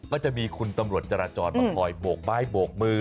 ก็จะมีคุณตำรวจจราจรมาคอยโบกไม้โบกมือ